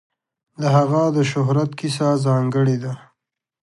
د هغه د شهرت کیسه ځانګړې ده.